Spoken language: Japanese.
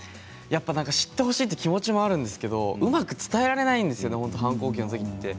知ってほしいという気持ちもあるんですけれどうまく伝えられないんです反抗期のとき。